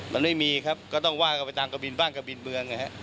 มันไม่มีครับก็ต้องว่ากันไปตามกระบินบ้างกระบินเมืองนะฮะ